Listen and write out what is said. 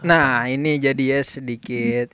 nah ini jadi ya sedikit